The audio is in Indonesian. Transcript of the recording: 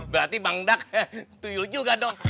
berarti bangdak tuyul juga dong